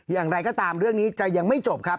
อย่างไรก็ตามเรื่องนี้จะยังไม่จบครับ